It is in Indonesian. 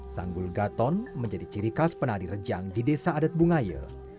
sanggul gaton menjadi ciri khas penari rejang di desa adat bungaya